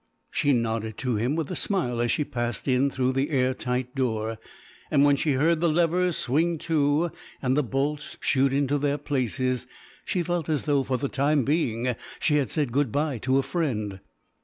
She nodded to him with a smile as she passed in through the air tight door, and when she heard the levers swing to and the bolts shoot into their places she felt as though, for the time being, she had said goodbye to a friend.